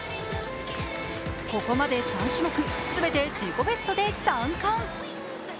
ここまで３種目全て自己ベストで３冠。